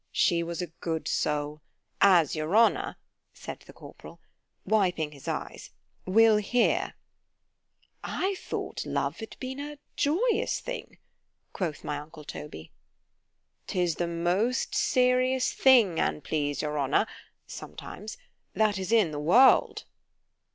She was a good soul! as your honour, said the corporal, wiping his eyes, will hear. I thought love had been a joyous thing, quoth my uncle Toby. 'Tis the most serious thing, an' please your honour (sometimes), that is in the world.